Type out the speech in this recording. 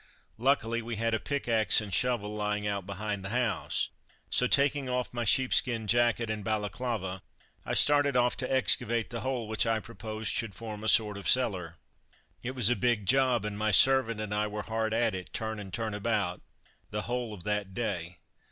Luckily we had a pickaxe and a shovel lying out behind the house, so taking off my sheepskin jacket and balaclava, I started off to excavate the hole which I proposed should form a sort of cellar. It was a big job, and my servant and I were hard at it, turn and turn about, the whole of that day.